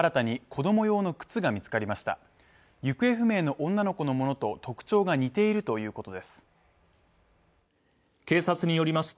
行方不明の女の子のものと特徴が似ているということです。